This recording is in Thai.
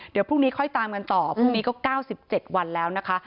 เดี๋ยวพรุ่งนี้ค่อยตามกันต่อพรุ่งนี้ก็๙๗วันแล้วนะคะ